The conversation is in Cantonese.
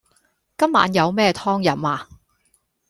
今晚有咩湯飲呀